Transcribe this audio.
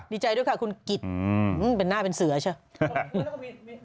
ดีใจด้วยค่ะคุณกิจเป็นหน้าเป็นเสือใช่ไหม